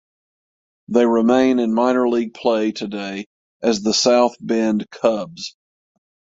They remain in minor league play today as the South Bend Cubs.